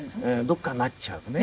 どこかなっちゃうのね。